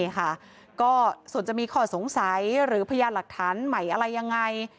ใช่ค่ะก็ส่วนจะมีข้อสงสัยหรือพยานหลักฐานใหม่อะไรยังไง